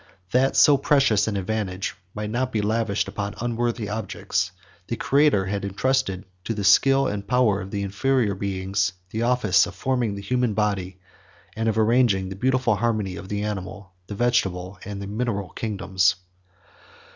That so precious an advantage might not be lavished upon unworthy objects, the Creator had intrusted to the skill and power of the inferior gods the office of forming the human body, and of arranging the beautiful harmony of the animal, the vegetable, and the mineral kingdoms.